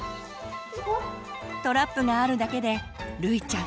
トラップがあるだけでるいちゃん